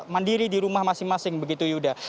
mandiri di rumah masing masing begitu yuda